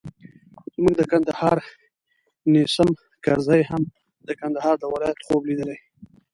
زموږ د کندهار نیسم کرزي هم د کندهار د ولایت خوب لیدلی.